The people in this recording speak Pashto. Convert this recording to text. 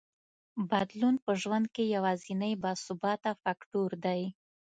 بدلون په ژوند کې یوازینی باثباته فکټور دی.